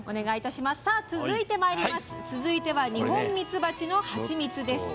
続いてはニホンミツバチのハチミツです。